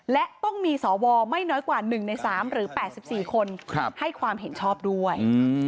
และต้องมีสวไม่น้อยกว่า๑ใน๓หรือ๘๔คนให้ความเห็นชอบด้วย